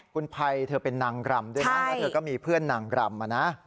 คุณภัยเธอเป็นนางรำด้วยนะแล้วเธอก็มีเพื่อนนางรำมานะ